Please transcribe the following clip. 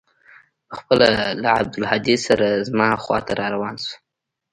پخپله له عبدالهادي سره زما خوا ته راروان سو.